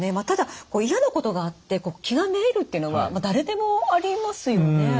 ただ嫌なことがあって気がめいるっていうのは誰でもありますよね。